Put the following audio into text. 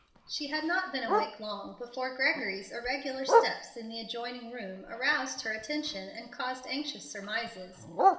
She had not been awake long before Gregory's irregular steps in the adjoining room aroused her attention and caused anxious surmises.